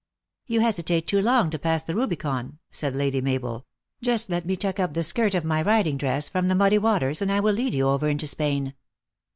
" You hesitate too long to pass the Rubicon," said Lady Mabel, " just let me tuck up the skirt of my riding dress, from the muddy waters, and I will lead you over into Spain."